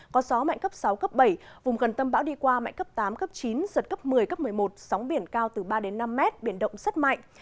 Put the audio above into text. có gió mạnh cấp sáu cấp bảy vùng gần tâm bão đi qua mạnh cấp tám cấp chín giật cấp một mươi cấp một mươi một sóng biển cao từ ba đến năm mét biển động rất mạnh